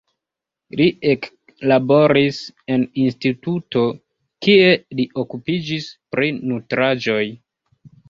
Li eklaboris en instituto, kie li okupiĝis pri nutraĵoj.